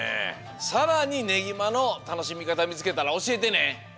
さらにねぎまのたのしみかたみつけたらおしえてね。